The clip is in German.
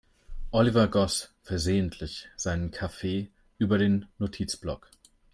Oliver goss versehentlich seinen Kaffee über den Notizblock.